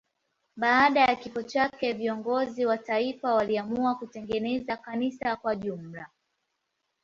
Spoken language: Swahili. Baada ya kifo chake viongozi wa taifa waliamua kutengeneza kanisa kwa jumla.